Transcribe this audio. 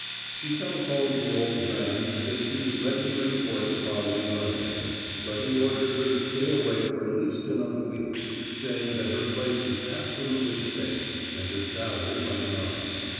She telephoned the old man that she was ready to report the following Monday, but he ordered her to stay away for at least another week, saying that her place was absolutely safe and her salary running on.